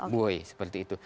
buoy seperti itu